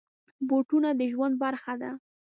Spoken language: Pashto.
بوټونه د ژوند برخه ده.